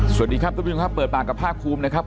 สวัสดีครับทุกคนครับเปิดมากับภาคคลุมนะครับ